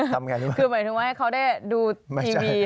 คือหมายถึงว่าให้เขาได้ดูทีวี